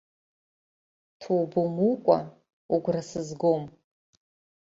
Ҭоуба умукәа угәра сызгом.